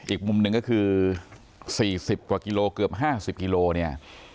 อีกมุมหนึ่งก็คือ๔๐กว่ากิโลเกือบ๕๐กิโลเนี่ย